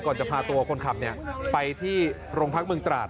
ก่อนจะพาตัวคนขับเนี่ยไปที่โรงพักษณ์เมืองตราด